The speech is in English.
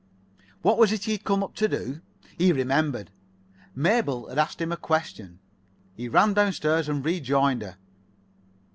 What was it he had come up to do? He remembered. Mabel had asked him a question. He ran downstairs and rejoined her.